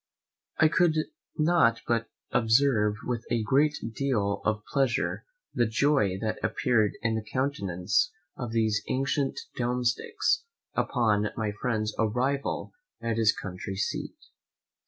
I could not but observe with a great deal of pleasure the joy that appeared in the countenance of these ancient domesticks upon my friend's arrival at his country seat.